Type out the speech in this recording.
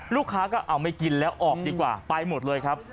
ลูกค้าก็เอาไม่กินแล้วออกดีกว่าไปหมดเลยครับ